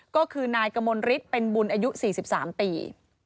ก็คือนายกมลฤทธิ์เป็นบุญอายุ๔๓ปี